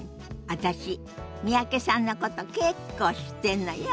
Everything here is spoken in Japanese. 私三宅さんのこと結構知ってんのよ。